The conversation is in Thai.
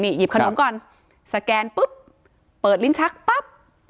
หยิบขนมก่อนสแกนปุ๊บเปิดลิ้นชักปั๊บ